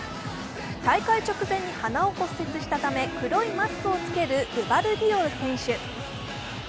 大会直前に鼻を骨折したため黒いマスクをつけるグバルディオル選手。